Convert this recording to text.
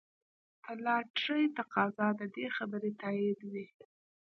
د لاټرۍ تقاضا د دې خبرې تاییدوي.